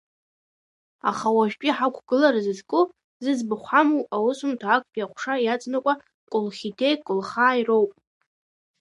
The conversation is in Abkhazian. Аха уажәтәи ҳақәгылара зызку, зыӡбахә ҳамоу аусумҭа актәи аҟәша иаҵанакуа Колхидеи колхааи роуп.